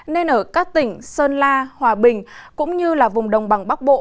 nên ở các tỉnh sơn la hòa bình cũng như là vùng đồng bằng bắc bộ